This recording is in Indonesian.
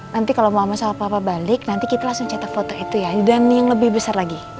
nanti kalau mama sama papa balik nanti kita langsung cetak foto itu ya dan yang lebih besar lagi